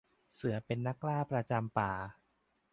เสือเป็นนักล่าประจำป่า